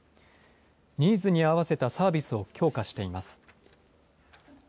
ニーズに合わせたサービスを強化しています。